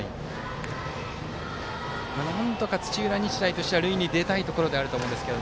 なんとか、土浦日大としては塁に出たいところだと思いますが。